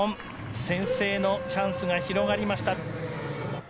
先制のチャンスが広がりました。